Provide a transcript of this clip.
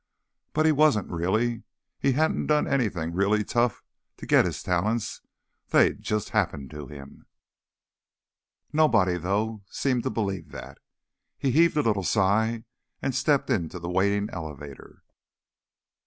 But he wasn't, really. He hadn't done anything really tough to get his talents; they'd just happened to him. Nobody, though, seemed to believe that. He heaved a little sigh and stepped into the waiting elevator.